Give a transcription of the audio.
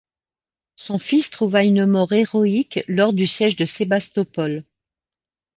Son fils trouva une mort héroïque lors du siège de Sébastopol.